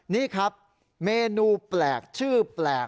นี่ครับเมนูแปลกชื่อแปลก